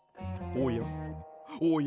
おやおや？